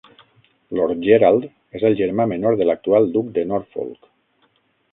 Lord Gerald és el germà menor de l'actual duc de Norfolk.